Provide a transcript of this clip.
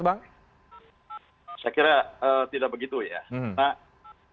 saya kira tidak begitu ya